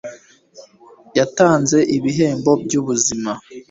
Yatanze ibihembo byubuzima